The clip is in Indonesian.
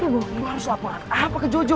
lu harus laporan apa ke jojo